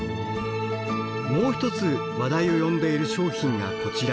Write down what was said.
もう一つ話題を呼んでいる商品がこちら。